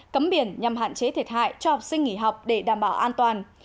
cấm biển nhằm hạn chế thiệt hại cho học sinh nghỉ học để đảm bảo an toàn